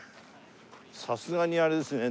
さすがにあれですね